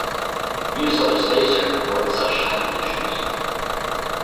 Use of a spacer avoids such timing issues.